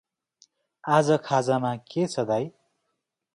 आज खाजामा के छ दाई?